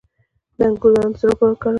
د انګور دانه د زړه لپاره وکاروئ